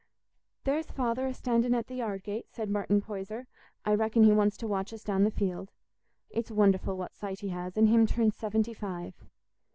"There's Father a standing at the yard gate," said Martin Poyser. "I reckon he wants to watch us down the field. It's wonderful what sight he has, and him turned seventy five."